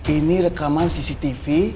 ini rekaman cctv